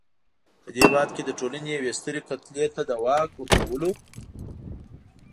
په دې هېواد کې د ټولنې یوې سترې کتلې ته د واک ورکولو.